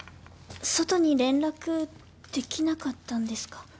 外に連絡できなかったんですか？